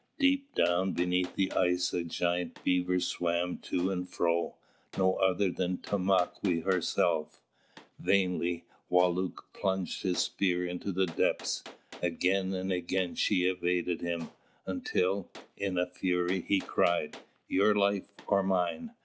Deep down beneath the ice a giant beaver swam to and fro, no other than Tomāquè herself. Vainly Wālūt plunged his spear into the depths. Again and again she evaded him, until, in a fury, he cried, "Your life or mine!"